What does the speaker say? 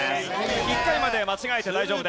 １回まで間違えて大丈夫です。